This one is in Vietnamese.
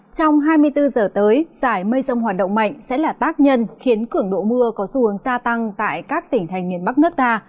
trong hai mươi bốn giờ tới giải mây rông hoạt động mạnh sẽ là tác nhân khiến cưỡng độ mưa có xu hướng gia tăng tại các tỉnh thành miền bắc nước ta